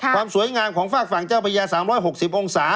ความสวยงามของฝากฝั่งเจ้าพระยา๓๖๐องศา